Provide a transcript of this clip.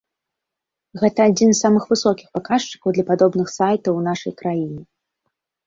Гэта адзін з самых высокіх паказчыкаў для падобных сайтаў у нашай краіне.